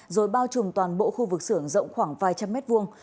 rồi bao trùm toàn bộ khu vực xưởng rộng khoảng vài trăm mét vuông